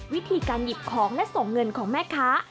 วิธีการหยิบของและส่งเงินของแม่ค้า